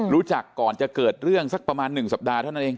รู้จักก่อนจะเกิดเรื่องสักประมาณ๑สัปดาห์เท่านั้นเอง